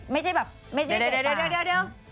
เดี๋ยว